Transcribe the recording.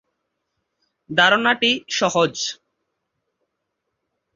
ধারণাটি সহজ।